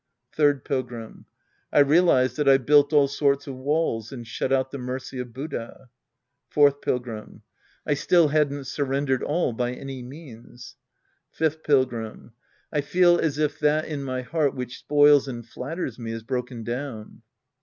Third Pilgrim. I realize that I've built all sorts of walls and shut out the mercy of Buddha. Fourth Pilgrim. I still hadn't surrendered all by any means. Fifth Pilgrim. I feel as if that in my heart which spoils and flatters me is broken down.